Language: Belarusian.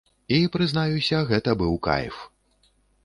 І, прызнаюся, гэта быў кайф!